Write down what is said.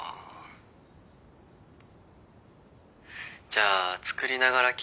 じゃあ作りながら聞いて。